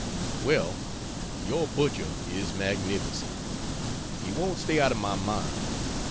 Well, your butcher is magnificent. He won't stay out of my mind.